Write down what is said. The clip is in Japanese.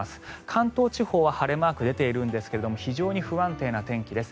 関東地方は晴れマーク出ているんですが非常に不安定な天気です。